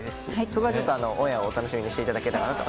そこはちょっとオンエアをお楽しみにしていただけたらなと。